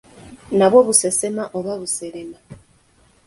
Nabw'o busesema oba buserema.